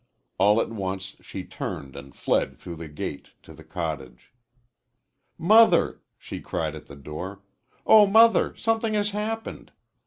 All at once she turned and fled through the gate, to the cottage. "Mother!" she cried at the door, "Oh, Mother! Something has happened!"